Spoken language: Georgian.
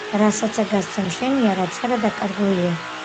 რასაცა გასცემ შენია, რას არა დაკარგულია